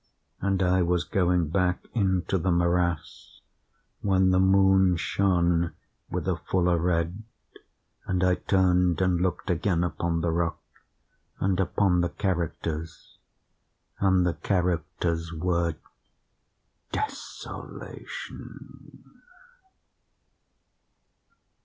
And I was going back into the morass, when the moon shone with a fuller red, and I turned and looked again upon the rock, and upon the characters, and the characters were DESOLATION.